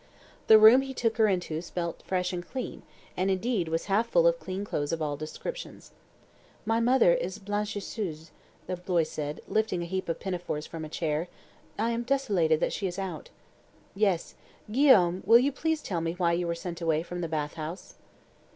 The room he took her into smelt fresh and clean, and indeed was half full of clean clothes of all descriptions. "My mother is blanchisseuse," the boy said, lifting a heap of pinafores from a chair. "I am desolated that she is out." "Yes. Guillaume, will you please tell me why you were sent away from the bath house?"